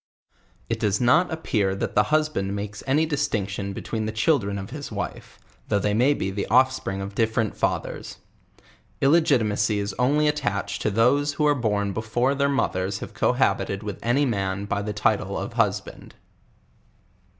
It does not appeal' that the husband makes any distinction between the children of his wife, though. they may he the oiftprii g of different lathers. II] i gitimaey is only attached to th<;se who are born before their mothers have cohabited with any man by t!ie title of hus band.